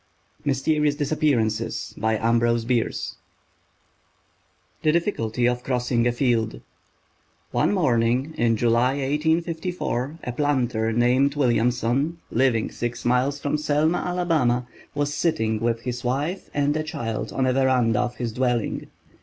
"MYSTERIOUS DISAPPEARANCES" THE DIFFICULTY OF CROSSING A FIELD ONE morning in July, 1854, a planter named Williamson, living six miles from Selma, Alabama, was sitting with his wife and a child on the veranda of his dwelling.